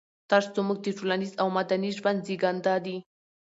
تش زموږ د ټولنيز او مدني ژوند زېږنده دي.